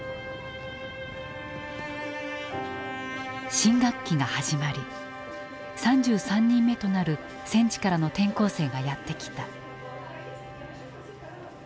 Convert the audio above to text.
新学期が始まり３３人目となる戦地からの転校生がやって来た。